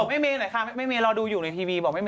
บอกแม่เม่หน่อยค่ะแม่เม่รอดูอยู่ในทีวี